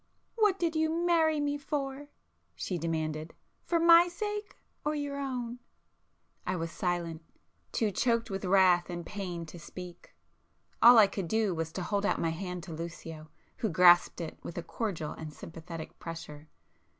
"What did you marry me for?" she demanded—"For my sake or your own?" I was silent,—too choked with wrath and pain to speak. All I could do was to hold out my hand to Lucio, who grasped it with a cordial and sympathetic pressure.